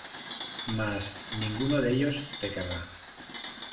Mas ninguno de ellos te querrá